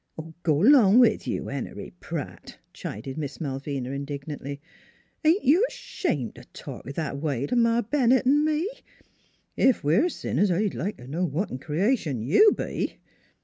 "Go 'long with you, Henery Pratt!" chided Miss Malvina indignantly. " Ain't you 'shamed t' talk that a way t' Ma Bennett an' me? ... Ef we're sinners I'd like t' know what in crea tion you be?